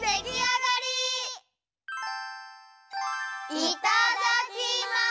いただきます！